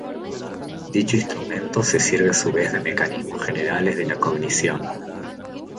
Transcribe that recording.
Dicho instrumento se sirve a su vez de mecanismos generales de la cognición.